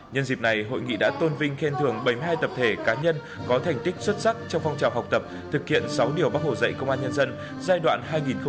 nhân dịp này hội nghị đã tôn vinh khen thưởng bảy mươi hai tập thể cá nhân có thành tích xuất sắc trong phong trào học tập thực hiện sáu điều bác hồ dạy công an nhân dân giai đoạn hai nghìn một mươi sáu hai nghìn hai mươi